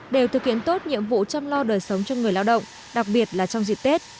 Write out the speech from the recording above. đều thực hiện tốt nhiệm vụ chăm lo đời sống cho người lao động đặc biệt là trong dịp tết